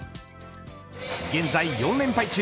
現在４連敗中。